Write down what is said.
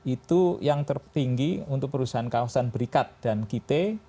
itu yang tertinggi untuk perusahaan perusahaan berikat dan kit